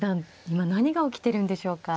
今何が起きてるんでしょうか。